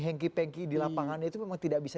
hengki pengki di lapangan itu memang tidak bisa